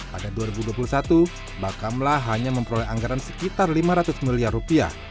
pada dua ribu dua puluh satu bakamla hanya memperoleh anggaran sekitar lima ratus miliar rupiah